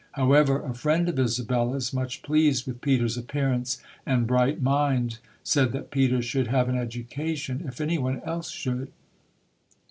However, a friend of Isabella's, much pleased with Peter's appearance and bright mind, said that Peter should have an education if any one else should.